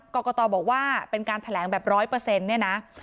กรกตบอกว่าเป็นการแถลงแบบ๑๐๐เนี่ยนะ